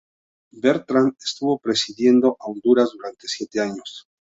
Bertrand estuvo presidiendo a Honduras durante siete años.